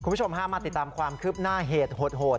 คุณผู้ชมฮะมาติดตามความคืบหน้าเหตุโหด